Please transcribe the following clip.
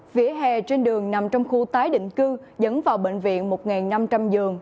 vỉa hè trên đường nằm trong khu tái định cư dẫn vào bệnh viện một năm trăm linh giường